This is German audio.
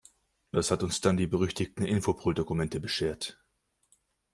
Das hat uns dann die berüchtigten Infopol-Dokumente beschert.